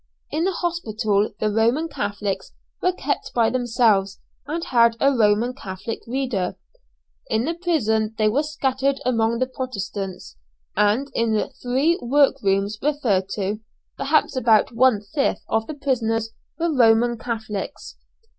In the hospital the Roman Catholics were kept by themselves, and had a Roman Catholic reader. In the prison they were scattered among the Protestants, and in the three work rooms referred to, perhaps about one fifth of the prisoners were Roman Catholics.